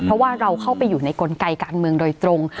เพราะว่าเราเข้าไปอยู่ในกลไกการเมืองโดยตรง